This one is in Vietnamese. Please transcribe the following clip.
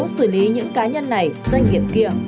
xử lý những cá nhân này doanh nghiệp kia